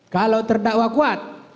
kalau terdakwa kuat